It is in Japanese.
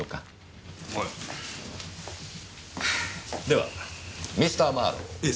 ではミスターマーロウ。